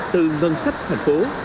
từ ngân sách thành phố